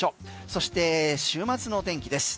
そして、週末の天気です。